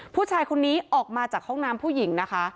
ผู้ชายคนนี้ออกมาจากห้องน้ำผู้หญิงนะคะ